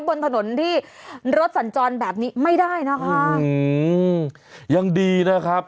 บนถนนที่รถสัญจรแบบนี้ไม่ได้นะคะอืมยังดีนะครับ